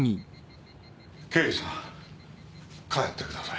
刑事さん帰ってください。